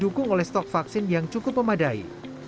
dan dihukum oleh stok vaksin yang cukup memadai